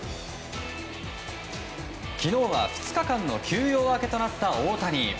昨日は２日間の休養明けとなった大谷。